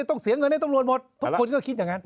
ต้องเสียเงินให้ตำรวจหมดทุกคนก็คิดอย่างนั้น